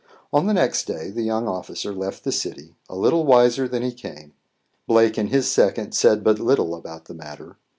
On the next day the young officer left the city, a little wiser than he came. Blake and his second said but little about the matter.